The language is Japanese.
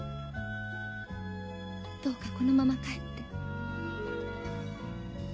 どうかこのまま帰って。